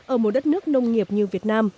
ở một đất nước nông nghiệp như việt nam